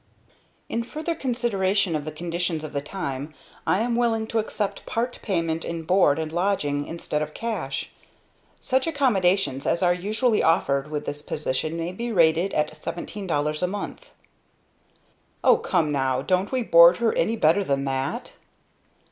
"'In further consideration of the conditions of the time, I am willing to accept part payment in board and lodging instead of cash. Such accommodations as are usually offered with this position may be rated at $17.00 a month.'" "O come now, don't we board her any better than that?"